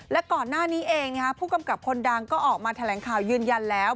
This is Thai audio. และก่อนหน้านี้เองผู้กำกับคนดังก็ออกมาแถลงข่าวยืนยันแล้ว